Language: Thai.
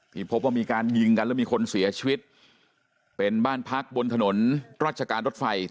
ที่พบว่ามีการยิงกันแล้วมีคนเสียชีวิตเป็นบ้านพักบนถนนราชการรถไฟ